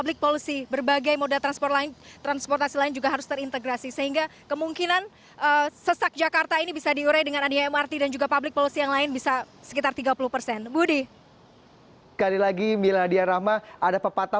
berikut laporannya untuk anda